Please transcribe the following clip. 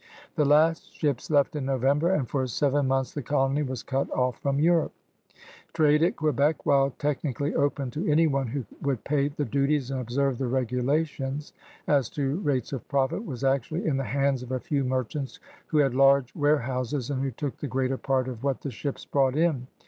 The last ships left in November, and for seven months the colony was cut off from Europe. Trade at Quebec, while technically open to any one who would pay the duties and observe the regulations as to rates of profit, was actually in the hands of a few merchants who had large warehouses and who took the greater part of what the ships brought in.